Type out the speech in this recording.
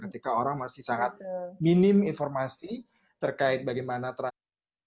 ketika orang masih sangat minim informasi terkait bagaimana transaksi